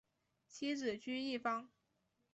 妻子琚逸芳。